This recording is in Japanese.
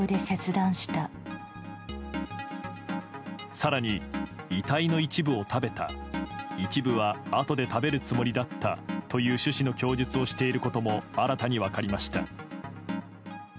更に、遺体の一部を食べた一部はあとで食べるつもりだったという趣旨の供述をしていることも新たに分かりました。